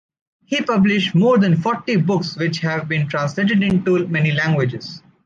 He published more than forty books which have been translated into many languages.